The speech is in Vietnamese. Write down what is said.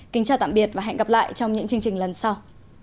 kính chào tạm biệt và hẹn gặp lại trong những chương trình lần sau